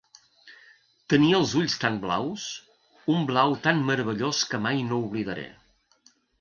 Tenia els ulls tan blaus: un blau tan meravellós que mai no oblidaré.